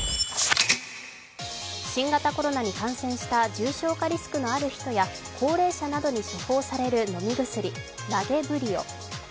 新型コロナに感染した重症化リスクのある人や高齢者などに処方される飲み薬・ラゲブリオ。